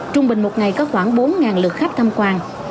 trung bình một ngày có khoảng bốn lượt khách tham quan